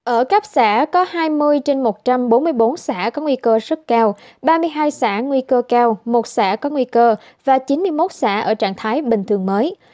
ở cấp xã có hai mươi trên một trăm bốn mươi bốn xã có nguy cơ rất cao ba mươi hai xã nguy cơ cao một xã có nguy cơ và chín mươi một xã ở trạng thái bình thường mới